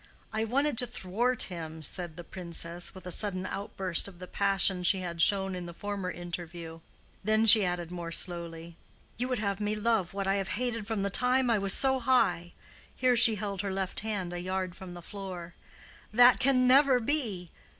I wanted to thwart him," said the Princess, with a sudden outburst of the passion she had shown in the former interview. Then she added more slowly, "You would have me love what I have hated from the time I was so high"—here she held her left hand a yard from the floor.—"That can never be.